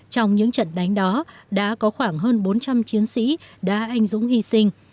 trong những trận đánh đó đã có khoảng hơn bốn trăm linh chiến sĩ đã anh dũng hy sinh